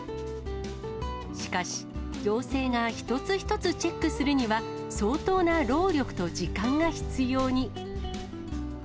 しかし、行政が一つ一つチェックするには、相当な労力と時間が必要に。